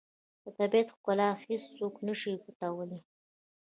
د طبیعت ښکلا هیڅوک نه شي پټولی.